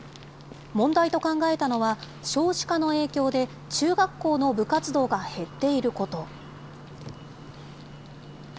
問題と考えたのは、少子化の影響で、中学校の部活動が減っていること。